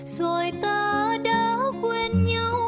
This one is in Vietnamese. rồi ta đã quên nhau